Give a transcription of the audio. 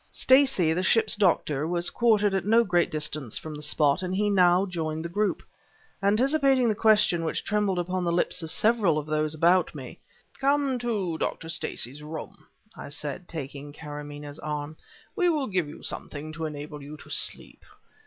Stacey, the ship's doctor, was quartered at no great distance from the spot, and he now joined the group. Anticipating the question which trembled upon the lips of several of those about me: "Come to Dr. Stacey's room," I said, taking Karamaneh arm; "we will give you something to enable you to sleep."